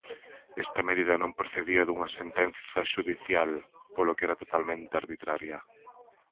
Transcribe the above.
Esta medida non procedía dunha sentenza xudicial, polo que era totalmente arbitraria.